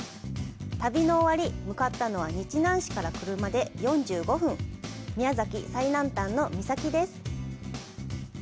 旅の終わり、向かったのは、日南市から車で４５分、宮崎最南端の岬です。